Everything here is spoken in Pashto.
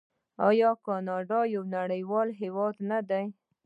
آیا کاناډا یو نړیوال هیواد نه دی؟